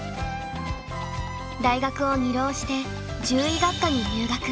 大学を２浪して獣医学科に入学。